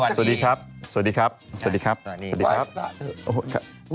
สวัสดีครับสวัสดีครับสวัสดีครับสวัสดีครับสวัสดีครับสวัสดีครับ